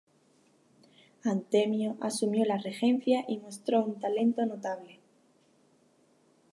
Antemio asumió la regencia y mostró un talento notable.